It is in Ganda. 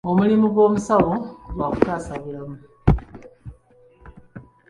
Omulimu gw'omusawo gwa kutaasa bulamu.